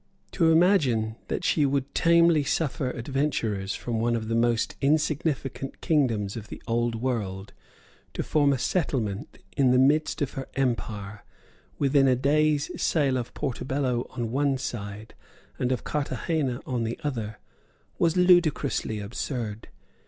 To imagine that she would tamely suffer adventurers from one of the most insignificant kingdoms of the Old World to form a settlement in the midst of her empire, within a day's sail of Portobello on one side and of Carthagena on the other, was ludicrously absurd.